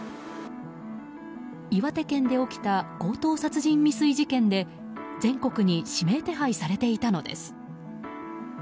岩手県で起きた強盗殺人未遂事件で全国に指名手配されていたのです。